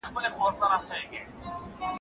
بختوره